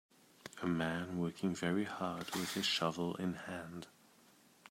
A man working very hard with his shovel in hand.